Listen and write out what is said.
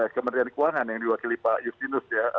kementerian keuangan yang diwakili pak justinus ya